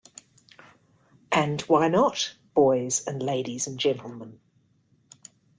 And why not, boys and ladies and gentlemen?